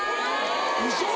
ウソ！